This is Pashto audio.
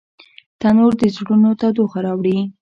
تنور د زړونو تودوخه راوړي